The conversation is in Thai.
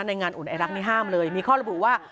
ในงานอุ่นไอรักนี้ห้ามเลยมีข้อระบุว่า